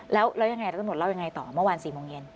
แล้วยังไงทะเบียนสุโขทัยเล่ายังไงต่อเมื่อวาน๔โมงเย็น